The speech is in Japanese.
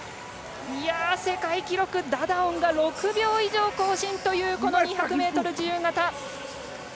世界記録ダダオンが６秒以上更新という２００ｍ自由形。